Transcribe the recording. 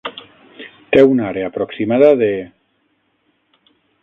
Té una àrea aproximada de.